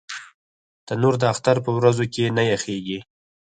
تنور د اختر پر ورځو کې نه یخېږي